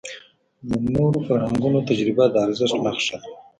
د نورو فرهنګونو تجربه د ارزښت نښه ده.